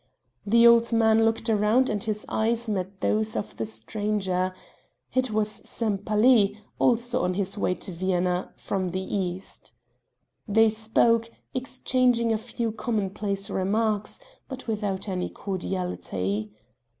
The old man looked round and his eyes met those of the stranger it was Sempaly, also on his way to Vienna, from the East. They spoke exchanging a few commonplace remarks, but without any cordiality.